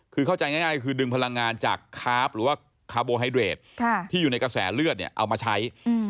คือเข้าใจง่ายคือดึงพลังงานจากคาร์ฟหรือว่าคาร์โบไฮเดรดที่อยู่ในกระแสเลือดเนี่ยเอามาใช้